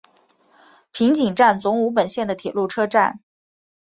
平井站总武本线的铁路车站。